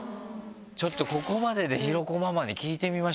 ちょっとここまでで広子ママに聞いてみましょうか。